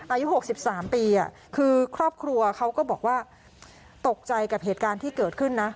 อายุ๖๓ปีคือครอบครัวเขาก็บอกว่าตกใจกับเหตุการณ์ที่เกิดขึ้นนะ